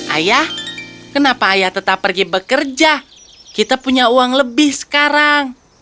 ayah kenapa ayah tetap pergi bekerja kita punya uang lebih sekarang